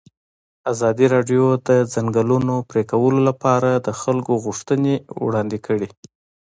ازادي راډیو د د ځنګلونو پرېکول لپاره د خلکو غوښتنې وړاندې کړي.